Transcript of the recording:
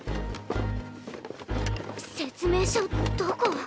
説明書どこ。